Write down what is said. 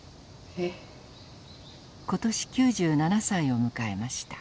今年９７歳を迎えました。